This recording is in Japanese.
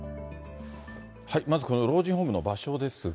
まずこの老人ホームの場所ですが。